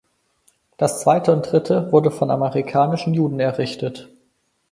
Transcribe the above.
Das zweite und dritte wurde von amerikanischen Juden errichtet.